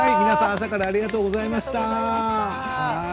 皆さん朝からありがとうございました。